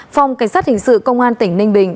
phòng cảnh sát hình sự công an tỉnh ninh bình